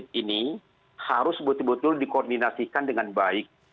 nah ini harus betul betul dikoordinasikan dengan baik